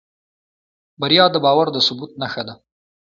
بریا د باور د ثبوت نښه ده.